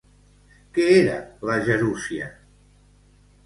Què era la gerúsia?